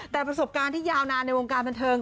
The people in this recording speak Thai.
แต่ประสบการณ์ที่ยาวนานในวงการบันเทิง